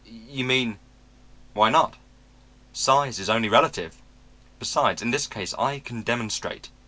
"'You mean ' "'Why not? Size is only relative. Besides in this case I can demonstrate.